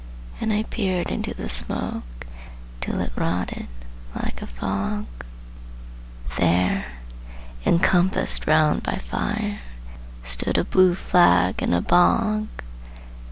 And I peered into the smoke Till it rotted, like a fog: There, encompassed round by fire, Stood a blue flag in a bog!